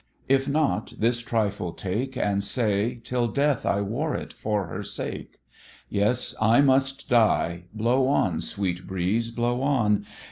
if not, this trifle take, And say, till death I wore it for her sake: Yes! I must die blow on, sweet breeze, blow on!